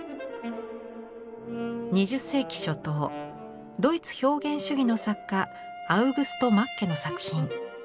２０世紀初頭ドイツ表現主義の作家アウグスト・マッケの作品。